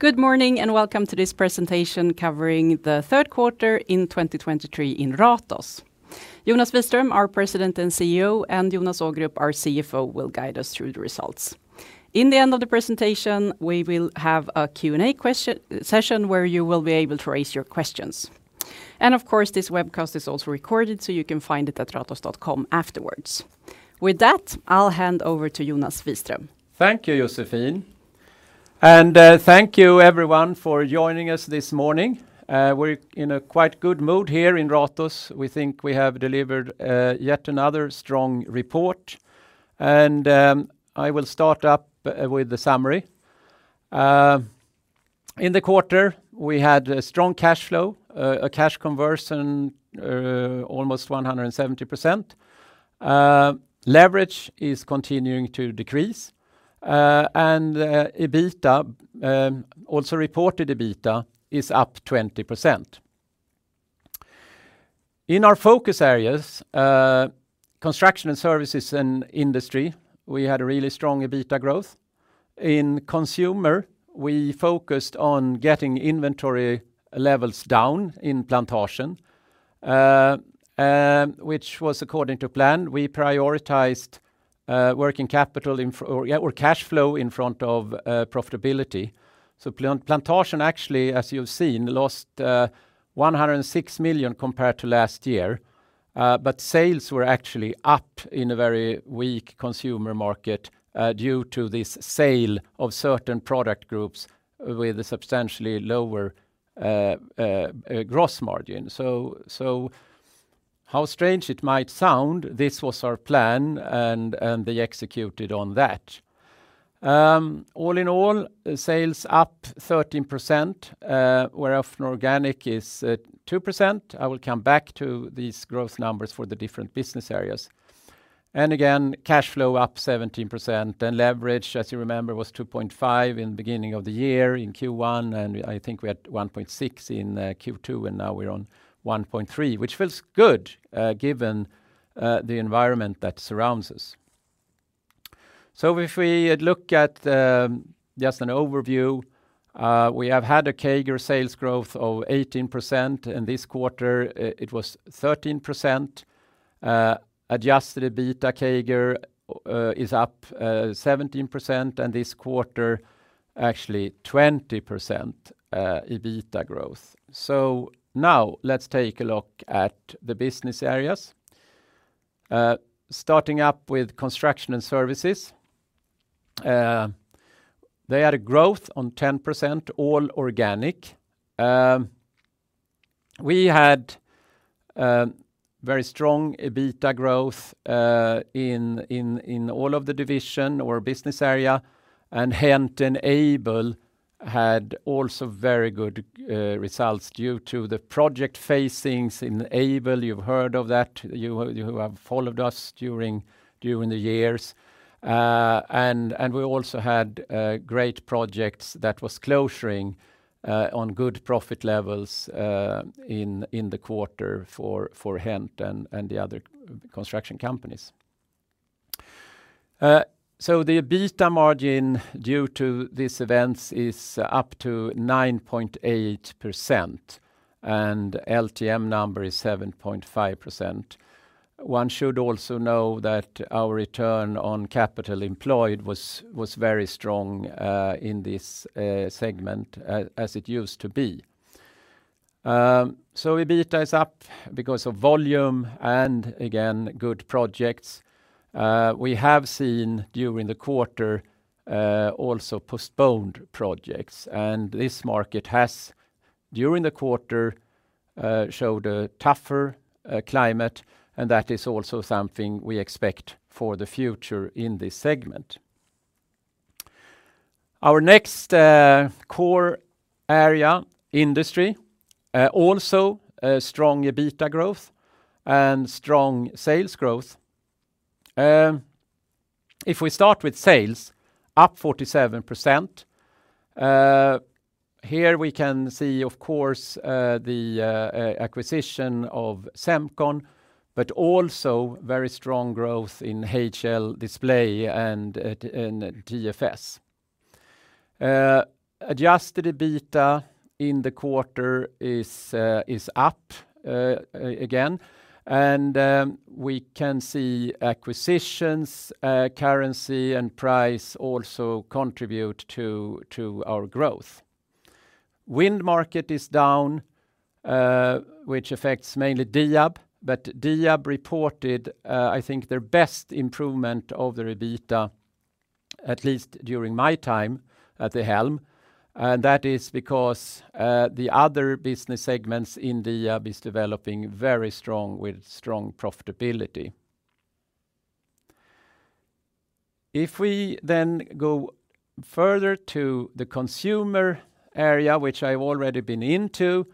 Good morning, and welcome to this presentation covering the 3Q in 2023 in Ratos. Jonas Wiström, our President and CEO, and Jonas Ågrup, our CFO, will guide us through the results. In the end of the presentation, we will have a Q&A session where you will be able to raise your questions. And of course, this webcast is also recorded, so you can find it at ratos.com afterwards. With that, I'll hand over to Jonas Wiström. Thank you, Josefine. Thank you everyone for joining us this morning. We're in a quite good mood here in Ratos. We think we have delivered yet another strong report, and I will start up with the summary. In the quarter, we had a strong cash flow, a cash conversion almost 170%. Leverage is continuing to decrease, and EBITDA, also reported EBITDA, is up 20%. In our focus areas, construction and services and industry, we had a really strong EBITDA growth. In consumer, we focused on getting inventory levels down in Plantasjen, which was according to plan. We prioritized working capital or cash flow in front of profitability. So Plantasjen, actually, as you've seen, lost 106 million compared to last year, but sales were actually up in a very weak consumer market, due to this sale of certain product groups with a substantially lower gross margin. So how strange it might sound, this was our plan, and they executed on that. All in all, sales up 13%, whereof organic is at 2%. I will come back to these growth numbers for the different business areas. And again, cash flow up 17%, and leverage, as you remember, was 2.5 in the beginning of the year, in Q1, and I think we had 1.6 in Q2, and now we're on 1.3, which feels good, given the environment that surrounds us. So if we look at just an overview, we have had a CAGR sales growth of 18%, and this quarter it was %. Adjusted EBITDA CAGR is up 17%, and this quarter, actually 20% EBITDA growth. So now let's take a look at the business areas. Starting up with construction and services, they had a growth of 10%, all organic. We had very strong EBITDA growth in all of the division or business area, and HENT and Aibel had also very good results due to the project phasing in Aibel. You've heard of that, you who have followed us during the years. And we also had great projects that was closing on good profit levels in the quarter for HENT and the other construction companies. So the EBITDA margin due to these events is up to 9.8%, and LTM number is 7.5%. One should also know that our return on capital employed was very strong in this segment, as it used to be. So EBITDA is up because of volume and, again, good projects. We have seen during the quarter also postponed projects, and this market has, during the quarter, showed a tougher climate, and that is also something we expect for the future in this segment. Our next core area, industry, also a strong EBITDA growth and strong sales growth. If we start with sales, up 47%. Here we can see, of course, the acquisition of Semcon, but also very strong growth in HL Display and in TFS. Adjusted EBITDA in the quarter is up again, and we can see acquisitions, currency, and price also contribute to our growth. Wind market is down, which affects mainly Diab, but Diab reported, I think, their best improvement of their EBITDA, at least during my time at the helm. And that is because the other business segments in Diab is developing very strong, with strong profitability. If we then go further to the consumer area, which I've already been into,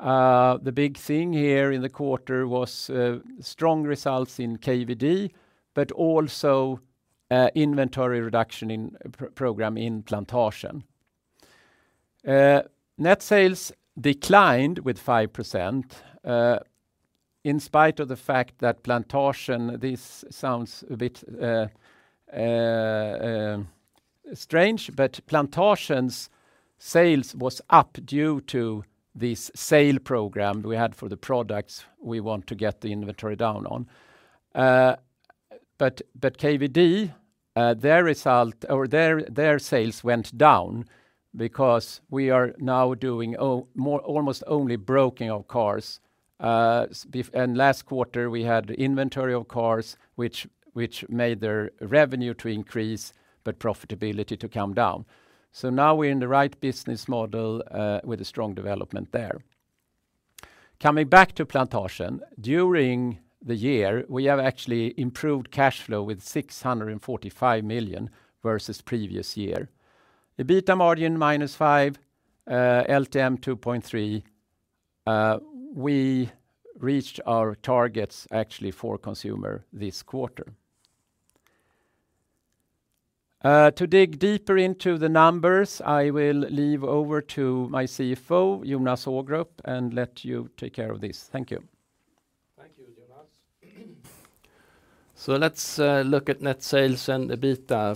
the big thing here in the quarter was strong results in KVD, but also inventory reduction program in Plantasjen. Net sales declined with 5%. In spite of the fact that Plantasjen, this sounds a bit strange, but Plantasjen's sales was up due to this sale program we had for the products we want to get the inventory down on. But KVD, their result or their sales went down because we are now doing almost only broking of cars. So but last quarter, we had inventory of cars, which made their revenue to increase, but profitability to come down. So now we're in the right business model, with a strong development there. Coming back to Plantasjen, during the year, we have actually improved cash flow with 645 million, versus previous year. EBITDA margin -5%, LTM 2.3. We reached our targets actually for consumer this quarter. To dig deeper into the numbers, I will leave over to my CFO, Jonas Ågrup, and let you take care of this. Thank you. Thank you, Jonas. So let's look at net sales and EBITDA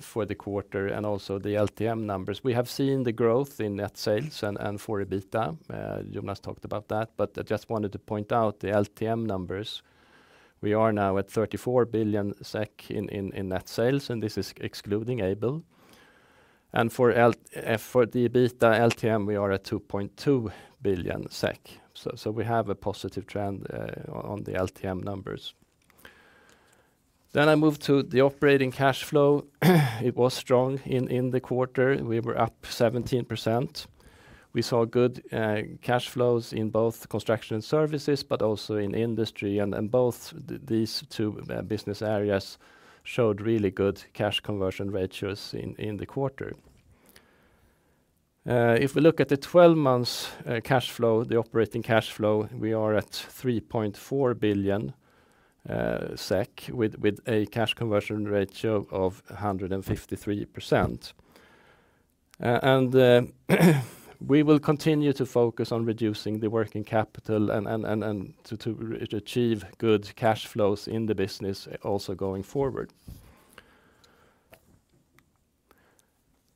for the quarter and also the LTM numbers. We have seen the growth in net sales and for EBITDA, Jonas talked about that, but I just wanted to point out the LTM numbers. We are now at 34 billion SEK in net sales, and this is excluding Aibel. And for the EBITDA LTM, we are at 2.2 billion SEK. So we have a positive trend on the LTM numbers. Then I move to the operating cash flow. It was strong in the quarter. We were up 17%. We saw good cash flows in both construction and services, but also in industry. And both these two business areas showed really good cash conversion ratios in the quarter. If we look at the twelve months cash flow, the operating cash flow, we are at 3.4 billion SEK, with a cash conversion ratio of 153%. We will continue to focus on reducing the working capital and to achieve good cash flows in the business, also going forward.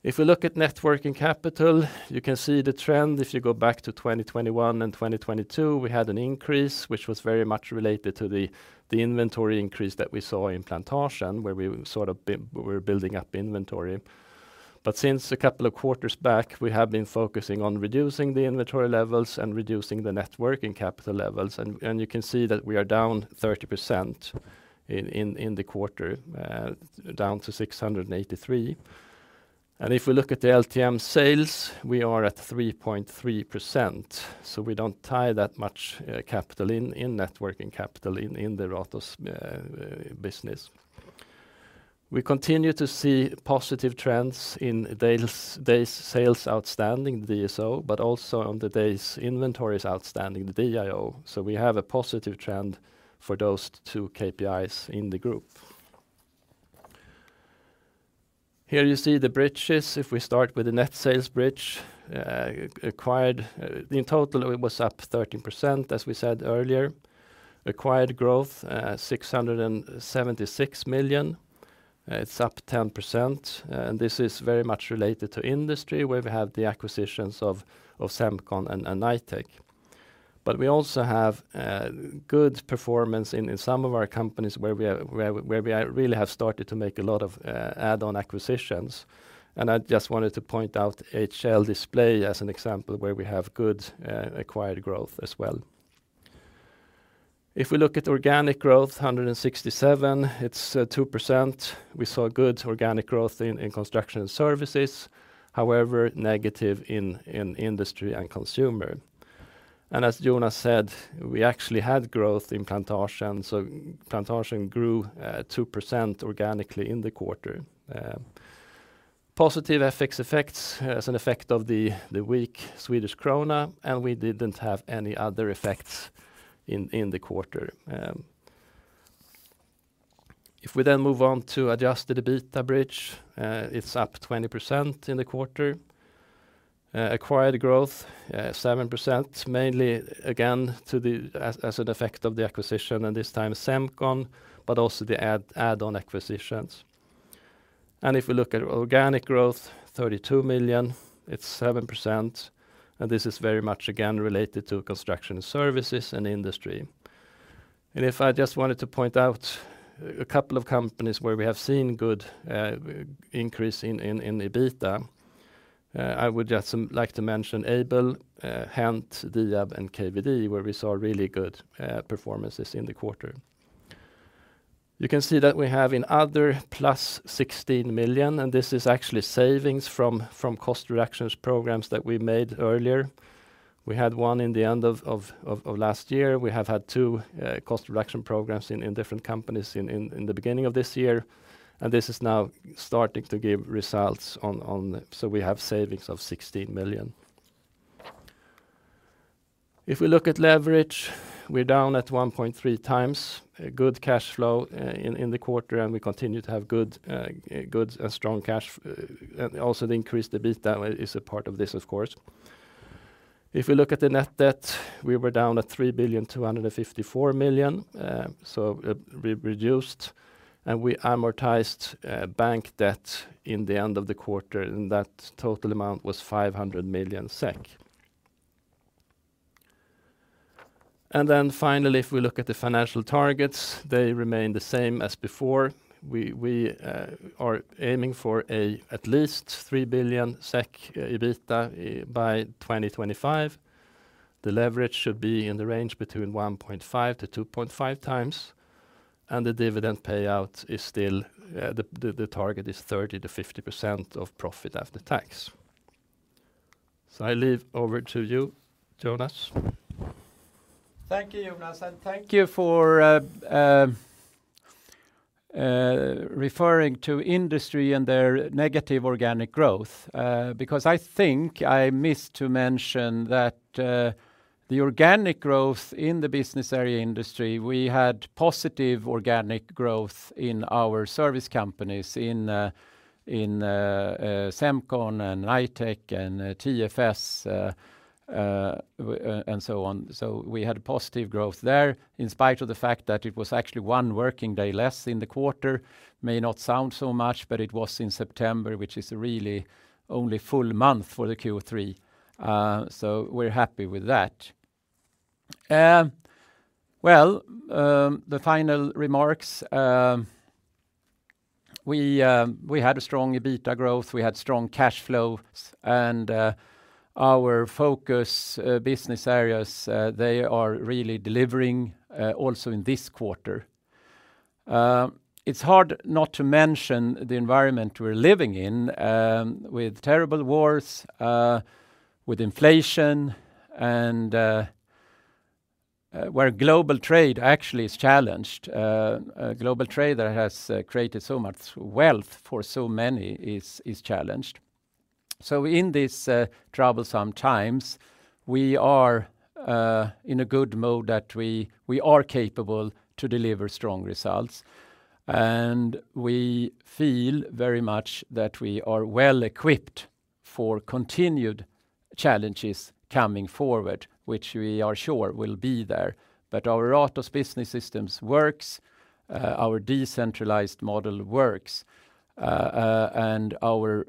If we look at net working capital, you can see the trend. If you go back to 2021 and 2022, we had an increase, which was very much related to the inventory increase that we saw in Plantasjen, where we were sort of building up inventory. But since a couple of quarters back, we have been focusing on reducing the inventory levels and reducing the net working capital levels. You can see that we are down 30% in the quarter, down to 683. If we look at the LTM sales, we are at 3.3%, so we don't tie that much capital in net working capital in the Ratos business. We continue to see positive trends in days sales outstanding, the DSO, but also on the days inventories outstanding, the DIO. We have a positive trend for those two KPIs in the group. Here you see the bridges. If we start with the net sales bridge, acquired in total, it was up 13%, as we said earlier. Acquired growth, 676 million. It's up 10%, and this is very much related to industry, where we have the acquisitions of Semcon and Knightec. But we also have good performance in some of our companies where we really have started to make a lot of add-on acquisitions. And I just wanted to point out HL Display as an example, where we have good acquired growth as well. If we look at organic growth, 167, it's 2%. We saw good organic growth in construction and services, however, negative in industry and consumer. And as Jonas said, we actually had growth in Plantasjen, so Plantasjen grew 2% organically in the quarter. Positive FX effects as an effect of the weak Swedish krona, and we didn't have any other effects in the quarter. If we then move on to adjusted EBITDA bridge, it's up 20% in the quarter. Acquired growth, seven percent, mainly again, as an effect of the acquisition, and this time, Semcon, but also the add-on acquisitions. If we look at organic growth, 32 million, it's 7%, and this is very much again, related to construction services and industry. If I just wanted to point out a couple of companies where we have seen good increase in EBITDA, I would just like to mention Aibel, HENT, Diab, and KVD, where we saw really good performances in the quarter. You can see that we have in other plus 16 million, and this is actually savings from cost reductions programs that we made earlier. We had one in the end of last year. We have had two cost reduction programs in the beginning of this year, and this is now starting to give results on. So we have savings of 16 million. If we look at leverage, we're down at 1.3x. Good cash flow in the quarter, and we continue to have good and strong cash, and also the increased EBITDA is a part of this, of course. If we look at the net debt, we were down at 3,254 million, so we reduced and we amortized bank debt in the end of the quarter, and that total amount was 500 million SEK. Then finally, if we look at the financial targets, they remain the same as before. We are aiming for at least 3 billion SEK EBITDA by 2025. The leverage should be in the range between 1.5-2.5x, and the dividend payout is still the target is 30%-50% of profit after tax. So I hand over to you, Jonas. Thank you, Jonas, and thank you for referring to industry and their negative organic growth, because I think I missed to mention that, the organic growth in the business area industry, we had positive organic growth in our service companies, in Semcon and Knightec and TFS, and so on. So we had positive growth there, in spite of the fact that it was actually one working day less in the quarter. May not sound so much, but it was in September, which is really only full month for the Q3. So we're happy with that. Well, the final remarks, we had a strong EBITDA growth, we had strong cash flows, and our focus business areas, they are really delivering also in this quarter. It's hard not to mention the environment we're living in, with terrible wars, with inflation, and where global trade actually is challenged. Global trade that has created so much wealth for so many is challenged. So in these troublesome times, we are in a good mode that we are capable to deliver strong results, and we feel very much that we are well equipped for continued challenges coming forward, which we are sure will be there. But our Ratos Business System works, our decentralized model works, and our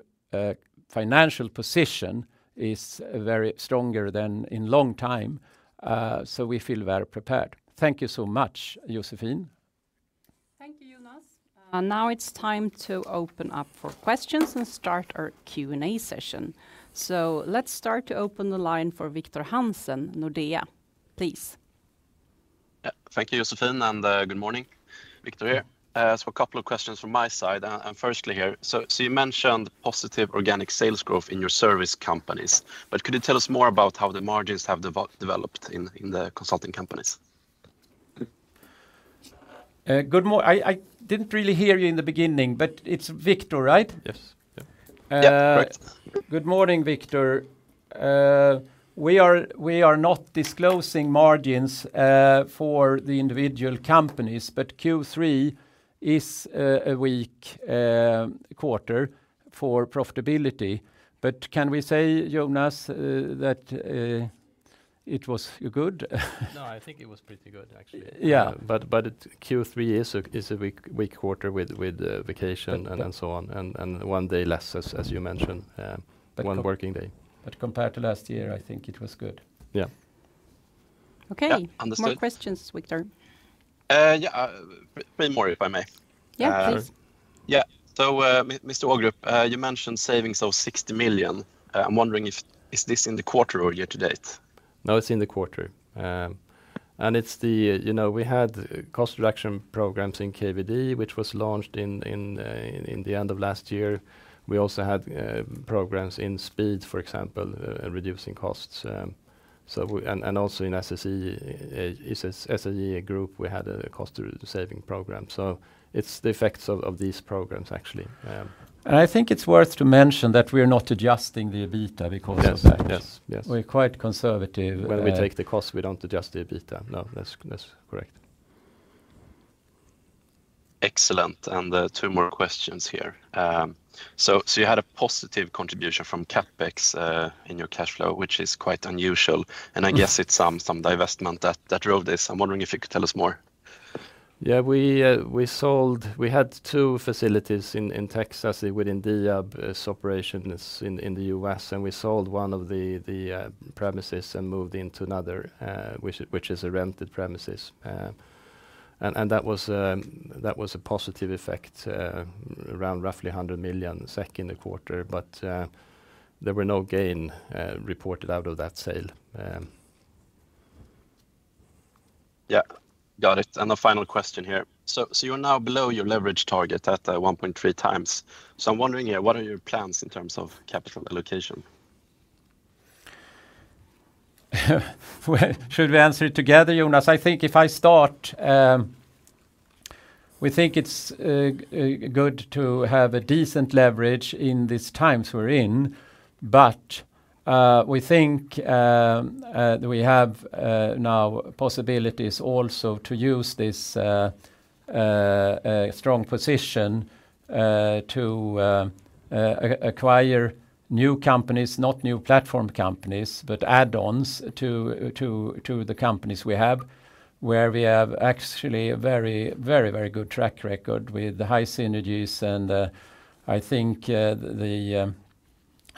financial position is very stronger than in long time, so we feel very prepared. Thank you so much, Josefine. Thank you, Jonas. And now it's time to open up for questions and start our Q&A session. So let's start to open the line for Victor Hansen, Nordea, please. Yeah. Thank you, Josefine, and good morning. Victor here. So a couple of questions from my side, and firstly here, so you mentioned positive organic sales growth in your service companies, but could you tell us more about how the margins have developed in the consulting companies? I didn't really hear you in the beginning, but it's Victor, right? Yes. Yep. Yeah, correct. Good morning, Victor. We are not disclosing margins for the individual companies, but Q3 is a weak quarter for profitability. But can we say, Jonas, that it was good? No, I think it was pretty good, actually. Yeah, but Q3 is a weak quarter with vacation and so on, and one day less, as you mentioned, one working day. Compared to last year, I think it was good. Yeah. Okay. Yeah, understood. More questions, Victor. Maybe more, if I may. Yeah, please. Yeah. So, Mr. Ågrup, you mentioned savings of 60 million. I'm wondering if this is in the quarter or year to date? No, it's in the quarter. You know, we had cost reduction programs in KVD, which was launched in the end of last year. We also had programs in Speed, for example, reducing costs, so we, and also in SSEA Group, we had a cost saving program, so it's the effects of these programs, actually. I think it's worth to mention that we are not adjusting the EBITDA because of that. Yes. Yes. Yes. We're quite conservative. When we take the cost, we don't adjust the EBITDA. No, that's, that's correct. Excellent. And, two more questions here. So you had a positive contribution from CapEx in your cash flow, which is quite unusual, and I guess it's some divestment that drove this. I'm wondering if you could tell us more. Yeah, we sold. We had two facilities in Texas within the operation that's in the U.S., and we sold one of the premises and moved into another, which is a rented premises. And that was a positive effect around roughly 100 million SEK in the quarter, but there were no gain reported out of that sale. Yeah, got it. And the final question here: So, so you're now below your leverage target at 1.3x. So I'm wondering, yeah, what are your plans in terms of capital allocation? Well, should we answer it together, Jonas? I think if I start, we think it's good to have a decent leverage in these times we're in, but we think we have now possibilities also to use this a strong position to acquire new companies, not new platform companies, but add-ons to the companies we have, where we have actually a very, very, very good track record with the high synergies. And I think the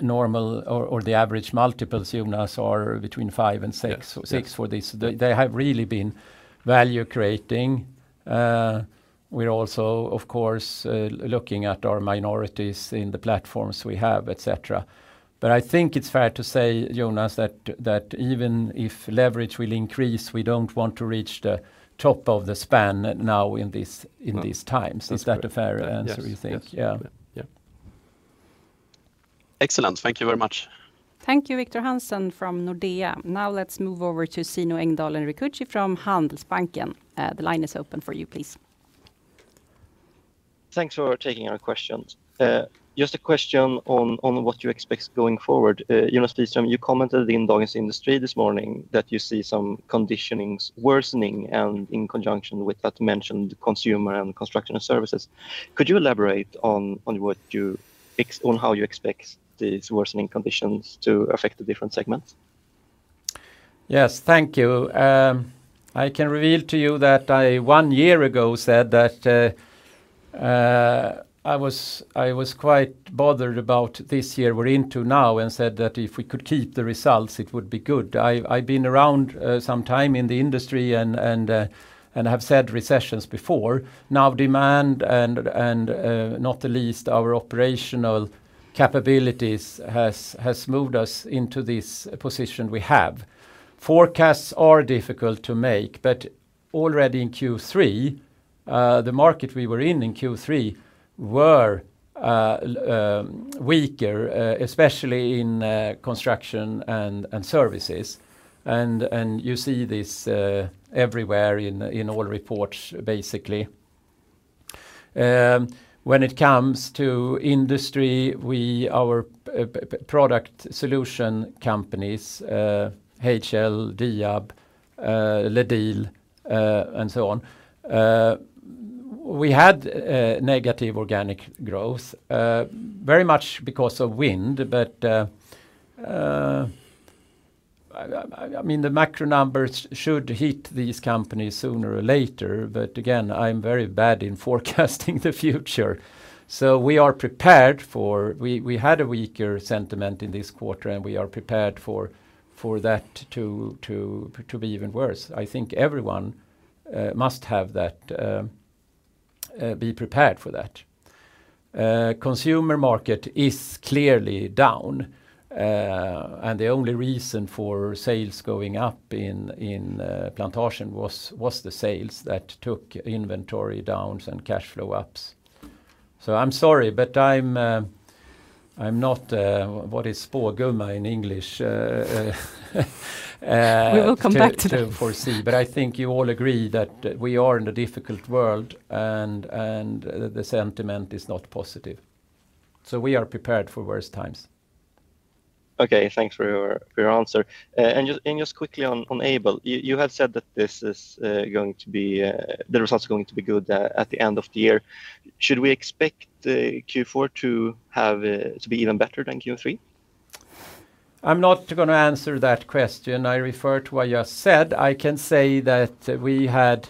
normal or the average multiple, Jonas, are between 5 and 6- Yes They have really been value creating. We're also, of course, looking at our minorities in the platforms we have, et cetera. But I think it's fair to say, Jonas, that even if leverage will increase, we don't want to reach the top of the span now in these times. No. Is that a fair answer, you think? Yes. Yes. Yeah. Yeah. Excellent. Thank you very much. Thank you, Victor Hansen from Nordea. Now let's move over to Simen Enger from Handelsbanken. The line is open for you, please. Thanks for taking our questions. Just a question on what you expect going forward. Jonas Wiström, you commented in Dagens Industri this morning that you see some conditions worsening, and in conjunction with that mentioned consumer and construction and services. Could you elaborate on how you expect these worsening conditions to affect the different segments? Yes, thank you. I can reveal to you that I, one year ago, said that I was quite bothered about this year we're into now, and said that if we could keep the results, it would be good. I've been around some time in the industry and have said recessions before. Now, demand and not the least, our operational capabilities has moved us into this position we have. Forecasts are difficult to make, but already in Q3, the market we were in Q3 were weaker, especially in construction and services. You see this everywhere in all reports, basically. When it comes to industry, our product solution companies, HL, Diab, LEDiL, and so on, we had negative organic growth, very much because of wind. But I mean, the macro numbers should hit these companies sooner or later. But again, I'm very bad in forecasting the future. So we are prepared for... We had a weaker sentiment in this quarter, and we are prepared for that to be even worse. I think everyone must have that. Be prepared for that. Consumer market is clearly down, and the only reason for sales going up in Plantasjen was the sales that took inventory downs and cash flow ups. So I'm sorry, but I'm not, what is spådomma in English? We will come back to that. To foresee. But I think you all agree that we are in a difficult world, and the sentiment is not positive, so we are prepared for worse times. Okay, thanks for your, for your answer. And just, and just quickly on Aibel. You, you have said that this is going to be the results are going to be good at the end of the year. Should we expect Q4 to have to be even better than Q3? I'm not gonna answer that question. I refer to what I just said. I can say that we had.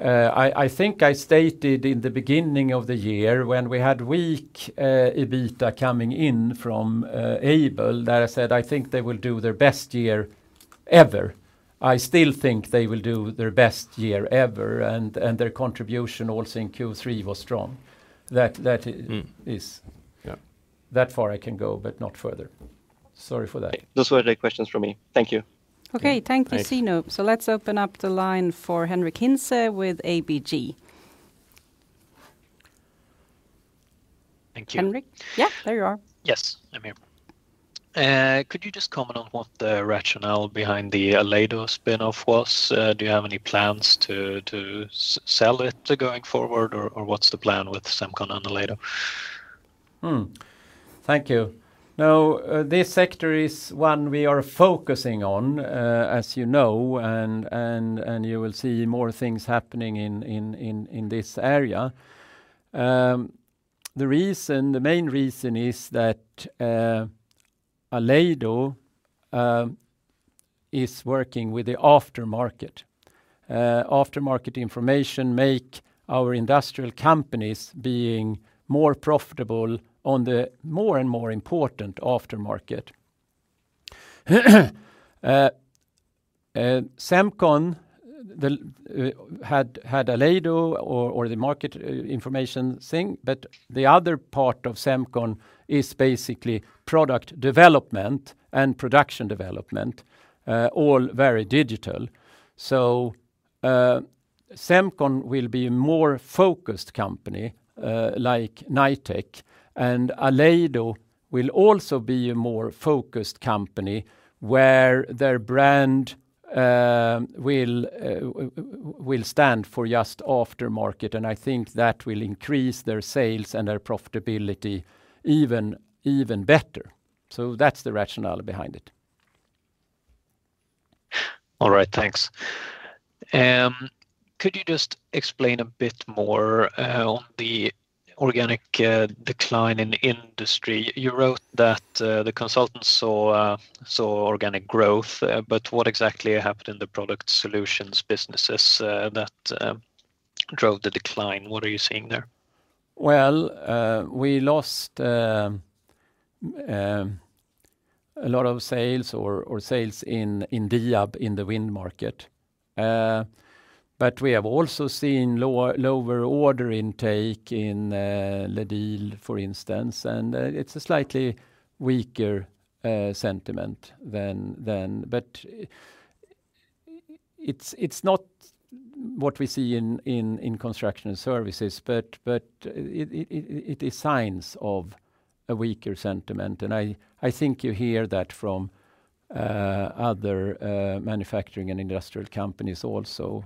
I think I stated in the beginning of the year, when we had weak EBITDA coming in from Aibel, that I said, "I think they will do their best year ever." I still think they will do their best year ever, and their contribution also in Q3 was strong. That is- Mm. Yeah... That far I can go, but not further. Sorry for that. Those were the questions from me. Thank you. Okay. Thanks. Thank you, Simen. So let's open up the line for Henric Hintze with ABG. Thank you. Henric? Yeah, there you are. Yes, I'm here. Could you just comment on what the rationale behind the Aleido spin-off was? Do you have any plans to sell it going forward, or what's the plan with Semcon and Aleido? Hmm. Thank you. Now, this sector is one we are focusing on, as you know, and you will see more things happening in this area. The reason, the main reason is that, Aleido is working with the aftermarket. Aftermarket information make our industrial companies being more profitable on the more and more important aftermarket. Semcon had Aleido or the market information thing, but the other part of Semcon is basically product development and production development, all very digital. So, Semcon will be a more focused company, like Knightec, and Aleido will also be a more focused company, where their brand will stand for just aftermarket, and I think that will increase their sales and their profitability even better. So that's the rationale behind it.... All right, thanks. Could you just explain a bit more on the organic decline in the industry? You wrote that the consultants saw organic growth, but what exactly happened in the product solutions businesses that drove the decline? What are you seeing there? Well, we lost a lot of sales in Diab in the wind market. But we have also seen lower order intake in LEDiL, for instance, and it's a slightly weaker sentiment than... But it's not what we see in construction and services, but it is signs of a weaker sentiment. And I think you hear that from other manufacturing and industrial companies also.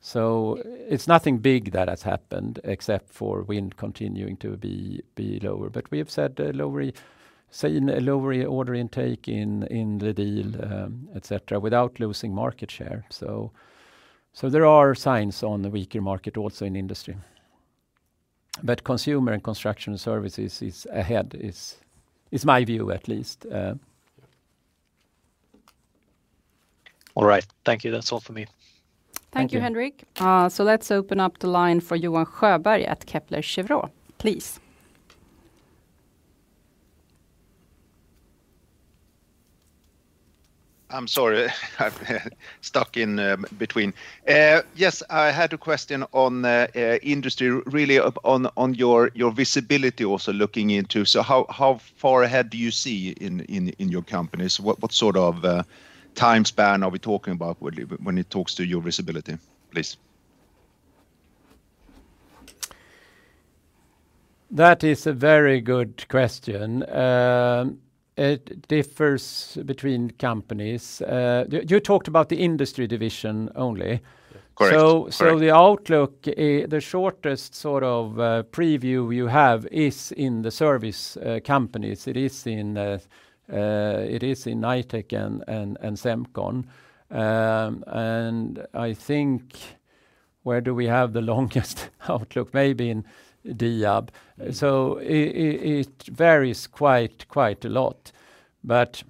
So it's nothing big that has happened except for wind continuing to be lower. But we have seen a lower order intake in LEDiL, et cetera, without losing market share. So there are signs on the weaker market also in industry. But consumer and construction services is ahead, is my view at least. All right. Thank you. That's all for me. Thank you, Henric. Thank you. Let's open up the line for Johan Sjöberg at Kepler Cheuvreux, please. I'm sorry, I'm stuck in between. Yes, I had a question on the industry, really on your visibility also looking into. So how far ahead do you see in your companies? What sort of time span are we talking about when you talk to your visibility, please? That is a very good question. It differs between companies. You talked about the industry division only. Correct. Correct. The outlook, the shortest sort of preview you have is in the service companies. It is in Knightec and Semcon. And I think where do we have the longest outlook? Maybe in Diab. It varies quite a lot, but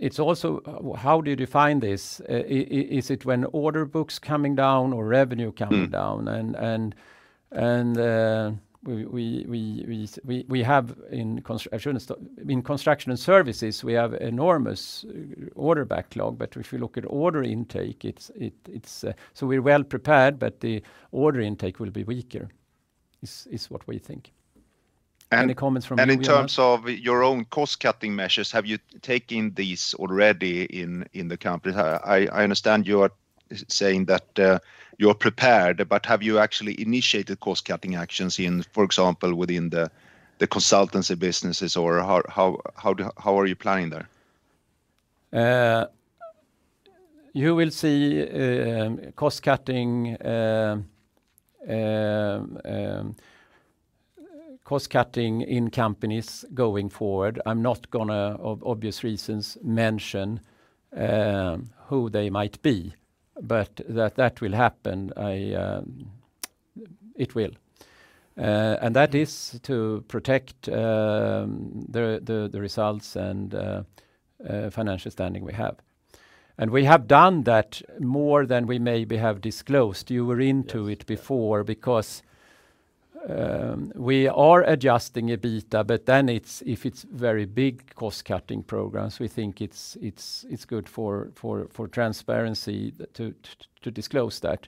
it's also, how do you define this? Is it when order book's coming down or revenue coming down? Mm. In construction and services, we have enormous order backlog, but if you look at order intake, it's... So we're well prepared, but the order intake will be weaker, is what we think. Any comments from you, Johan? In terms of your own cost cutting measures, have you taken these already in the company? I understand you are saying that, you're prepared, but have you actually initiated cost cutting actions in... for example, within the consultancy businesses, or how are you planning there? You will see cost cutting in companies going forward. I'm not gonna, of obvious reasons, mention who they might be, but that will happen. It will. And that is to protect the results and financial standing we have. We have done that more than we maybe have disclosed. You were into it- Yes... before because, we are adjusting EBITDA, but then it's, if it's very big cost cutting programs, we think it's good for transparency to disclose that.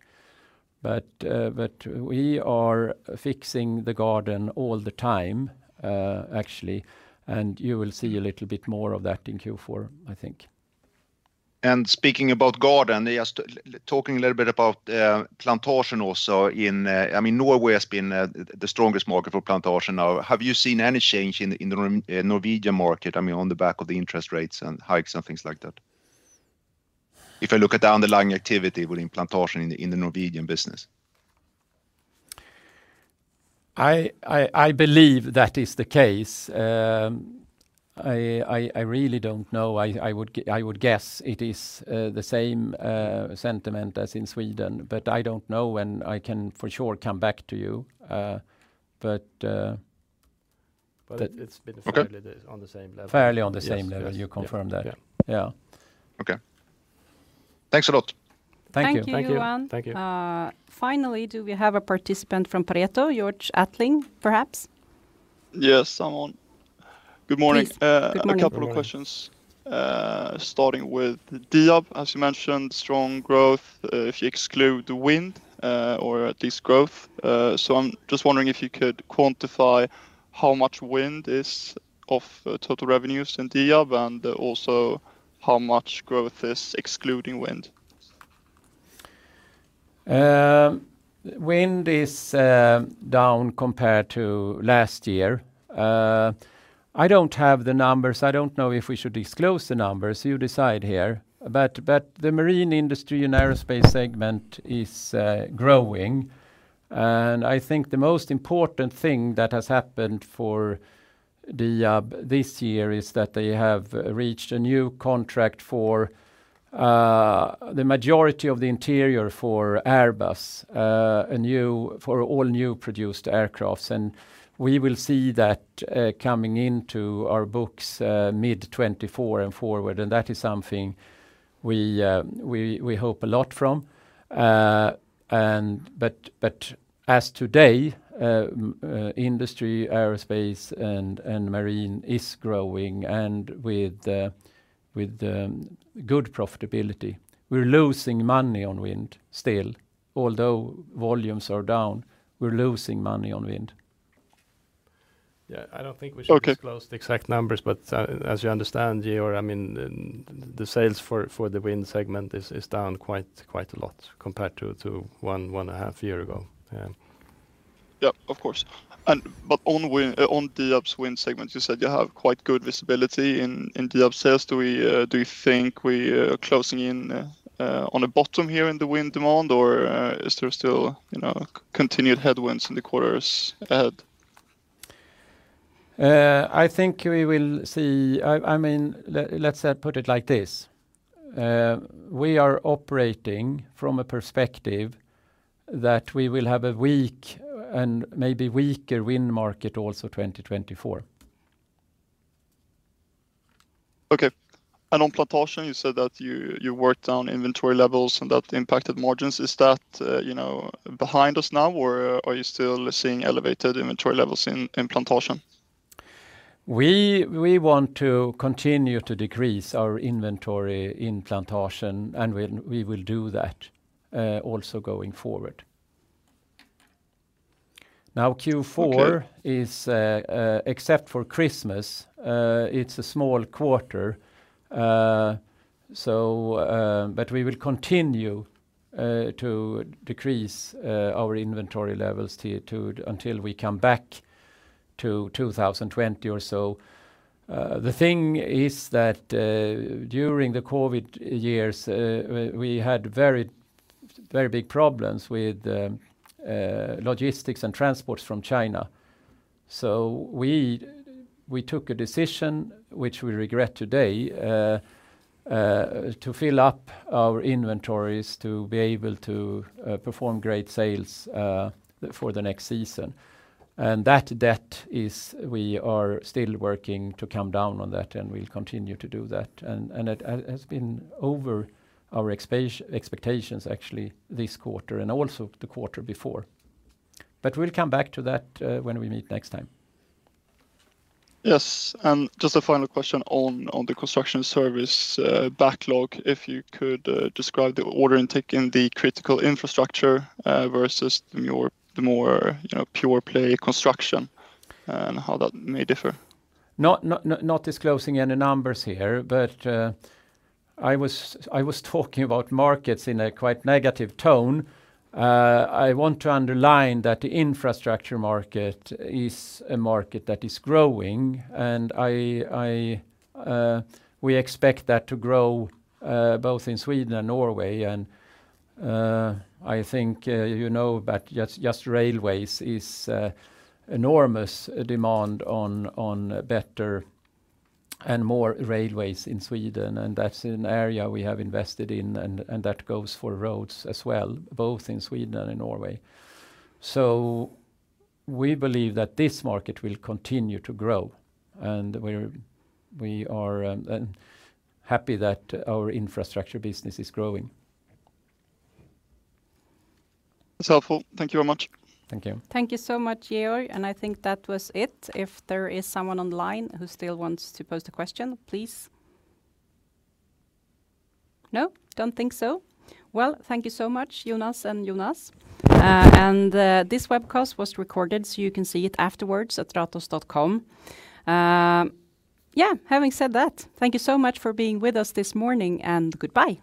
But, but we are fixing the garden all the time, actually, and you will see a little bit more of that in Q4, I think. Speaking about garden, just talking a little bit about Plantasjen also in... I mean, Norway has been the strongest market for Plantasjen now. Have you seen any change in the Norwegian market, I mean, on the back of the interest rates and hikes and things like that? If I look at the underlying activity within Plantasjen in the Norwegian business. I believe that is the case. I really don't know. I would guess it is the same sentiment as in Sweden, but I don't know, and I can for sure come back to you. But But it's been fairly- Okay... on the same level. Fairly on the same level. Yes, yes. You confirm that? Yeah. Yeah. Okay. Thanks a lot. Thank you. Thank you, Johan. Thank you. Finally, do we have a participant from Pareto, Georg Attling, perhaps? Yes, I'm on. Good morning. Please. Good morning. A couple of questions, starting with Diab. As you mentioned, strong growth, if you exclude the wind, or this growth. So I'm just wondering if you could quantify how much wind is of, total revenues in Diab, and also how much growth is excluding wind? Wind is down compared to last year. I don't have the numbers. I don't know if we should disclose the numbers. You decide here. But the marine industry and aerospace segment is growing. And I think the most important thing that has happened for Diab this year is that they have reached a new contract for the majority of the interior for Airbus, a new for all new produced aircrafts. And we will see that coming into our books mid-2024 and forward, and that is something we hope a lot from. But as today, industry, aerospace, and marine is growing, and with good profitability. We're losing money on wind still. Although volumes are down, we're losing money on wind. Yeah, I don't think we should- Okay. disclose the exact numbers, but, as you understand, Georg, I mean, the sales for the wind segment is down quite a lot compared to one and a half year ago, yeah. Yeah, of course. And but on wind, on Diab's wind segment, you said you have quite good visibility in, in Diab sales. Do we, do you think we closing in on the bottom here in the wind demand, or is there still, you know, continued headwinds in the quarters ahead? I think we will see... I mean, let's put it like this: we are operating from a perspective that we will have a weak and maybe weaker wind market also, 2024. Okay. And on Plantasjen, you said that you worked on inventory levels and that impacted margins. Is that, you know, behind us now, or are you still seeing elevated inventory levels in Plantasjen? We want to continue to decrease our inventory in Plantasjen, and we will do that also going forward. Now, Q4- Okay... is, except for Christmas, it's a small quarter. So, but we will continue to decrease our inventory levels to until we come back to 2020 or so. The thing is that, during the COVID years, we had very, very big problems with logistics and transports from China. So we took a decision, which we regret today, to fill up our inventories to be able to perform great sales for the next season. And that debt is... We are still working to come down on that, and we'll continue to do that. And it has been over our expectations, actually, this quarter and also the quarter before. But we'll come back to that when we meet next time. Yes, and just a final question on the construction service backlog. If you could describe the order intake in the critical infrastructure versus the more, you know, pure play construction and how that may differ? Not disclosing any numbers here, but I was talking about markets in a quite negative tone. I want to underline that the infrastructure market is a market that is growing, and we expect that to grow both in Sweden and Norway. And I think you know, but just railways is an enormous demand on better and more railways in Sweden, and that's an area we have invested in, and that goes for roads as well, both in Sweden and in Norway. So we believe that this market will continue to grow, and we're happy that our infrastructure business is growing. It's helpful. Thank you very much. Thank you. Thank you so much, Georg, and I think that was it. If there is someone online who still wants to pose a question, please? No, don't think so. Well, thank you so much, Jonas and Jonas. And this webcast was recorded, so you can see it afterwards at Ratos.com. Having said that, thank you so much for being with us this morning, and goodbye.